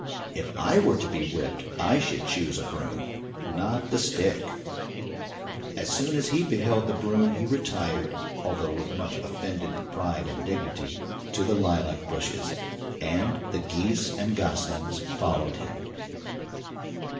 If I were to be whipped I should choose a broom not the stick. As soon as he beheld the broom he retired, although with much offended pride and dignity, to the lilac bushes; and the geese and goslings followed him.